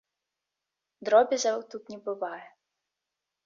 Дробязяў тут не бывае.